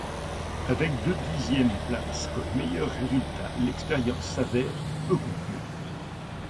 Avec deux dixièmes places comme meilleurs résultats, l'expérience s'avère peu concluante.